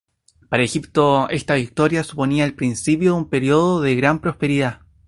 Para Egipto, esta victoria suponía el principio de un periodo de gran prosperidad.